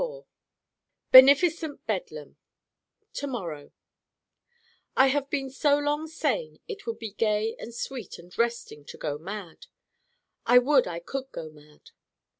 Beneficent bedlam To morrow I have been so long Sane it would be gay and sweet and resting to go Mad. I would I could go Mad.